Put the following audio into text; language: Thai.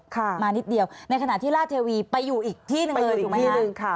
มานิดเดียวในขณะที่ราชเทวีไปอยู่อีกที่หนึ่งเลยถูกไหมฮะ